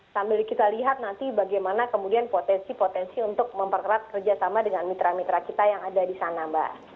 sambil kita lihat nanti bagaimana kemudian potensi potensi untuk mempererat kerjasama dengan mitra mitra kita yang ada di sana mbak